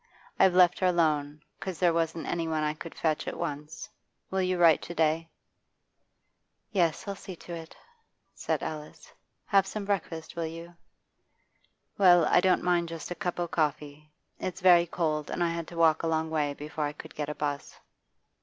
I've left her alone, 'cause there wasn't any one I could fetch at once. Will you write to day?' 'Yes, I'll see to it,' said Alice. 'Have some breakfast, will you?' 'Well, I don't mind just a cup o' coffee. It's very cold, and I had to walk a long way before I could get a 'bus.